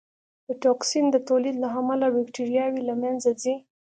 د ټوکسین د تولید له امله بکټریاوې له منځه ځي.